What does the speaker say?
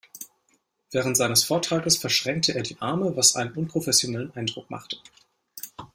Während seines Vortrages verschränkte er die Arme, was einen unprofessionellen Eindruck machte.